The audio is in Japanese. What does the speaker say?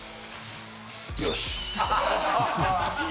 よし。